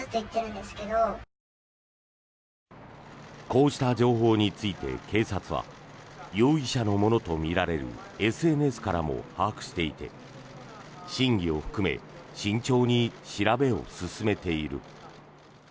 こうした情報について、警察は容疑者のものとみられるＳＮＳからも把握していて真偽を含め慎重に調べを進めている。